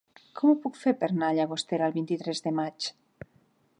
Com ho puc fer per anar a Llagostera el vint-i-tres de maig?